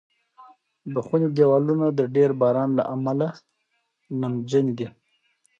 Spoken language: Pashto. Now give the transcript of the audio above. د خونې دېوالونه د ډېر باران له امله نمجن دي.